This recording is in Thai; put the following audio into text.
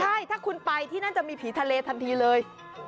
ใช่ถ้าคุณไปที่นั่นจะมีผีทะเลทันทีเลย